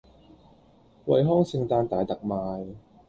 惠康聖誕大特賣